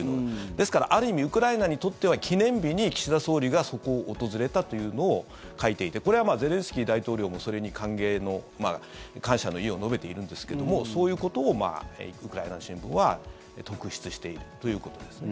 ですから、ある意味ウクライナにとっては記念日に岸田総理が、そこを訪れたというのを書いていてこれはゼレンスキー大統領もそれに歓迎の、感謝の意を述べているんですけどもそういうことをウクライナの新聞は特筆しているということですね。